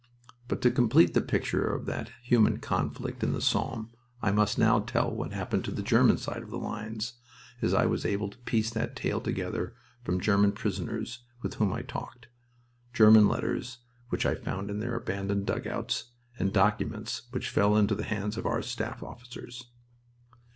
But to complete the picture of that human conflict in the Somme I must now tell what happened on the German side of the lines, as I was able to piece the tale together from German prisoners with whom I talked, German letters which I found in their abandoned dugouts, and documents which fell into the hands of our staff officers.